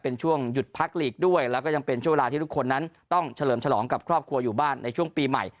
เป็นช่วงหยุดพักหลีกด้วยแล้วก็ยังเป็นช่วงเวลาที่ทุกคนนั้นต้องเฉลิมฉลองกับครอบครัวอยู่บ้านในช่วงปีใหม่